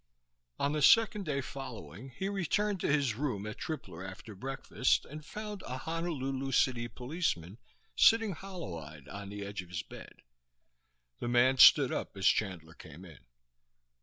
On the second day following he returned to his room at Tripler after breakfast, and found a Honolulu city policeman sitting hollow eyed on the edge of his bed. The man stood up as Chandler came in.